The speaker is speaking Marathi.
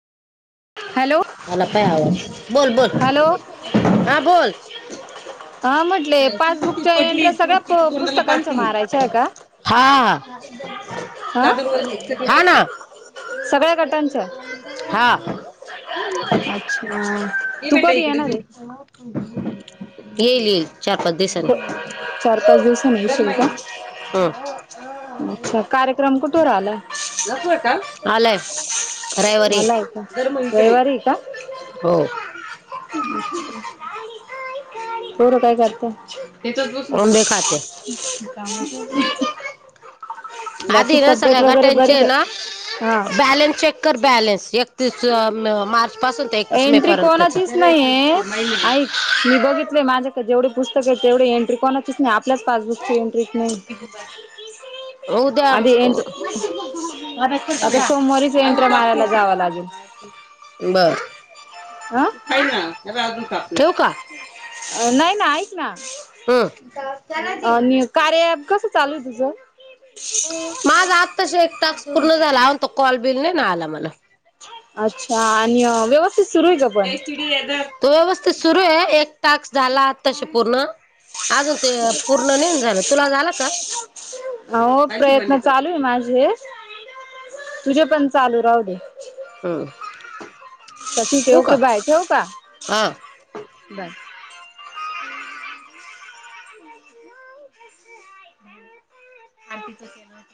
[inaudible] आला पाय आवाज बोल बोल हॅलो हा बोल. हा म्हंटले तिची ती पासबुकच्या पडली एंट्रे तू तिची सगळ्या तोंडाला पुस्तकांच पाती मारायच आहे का. हा हा हा हाना सगळ्या गटांच्या हा. अच्छा ह तू भेटा कधी इकडे. येणार आहे येईल येईल. चार पाच दिसांनी चार पाच दिवसांनी येशील का ह. अच्छा कार्यक्रम कुठवर आला लकू का आलय. रयवारी मला आहे का तर मग इकडे रविवारी हो पोर काय करताये. तिथंच बस आंबे खाते ्छ का [unintelligible] आधी ना सगळ्या गट्यांचे का ना हा बॅलन्स चेक कर बॅलन्स. एकतीस मार्च. पासून ते एकतीस मे एंट्री पर्यंतच कोणाचीच नाहीय आईक माहिती मी बघितले माझ्याक जेवढे पुस्तक तेवढे एंट्री कोणाचीच नाही आपल्याच पासबुकची एंट्रीच नाही. किती उद्या अदी यट आता सोमवारीच अजून एंट्री कापते मारायला जावं लागेल. ठेऊ का? अ नाही ना ऐक ना हम्म कार्या अँप कसं चालूये. माझ आताशी एक टास्क पूर्ण झाला अजून त कॉल बी नहीन आला मला. अच्छा आणि व्यवस् हो व्यवस्थित सुरूये, एक टास्क झाला आतशी पूर्ण. अजून ते पूर्ण नाहीना झालं तुला झालं का? हो पालथी भांडी प्रयत्न कर चालूये माझे. तुझे पण चालू राह दे. हम्म. चल ठीक आहे ठेवू ओके का बाय, ठवू का? हा बाय. हपच [unintelligible]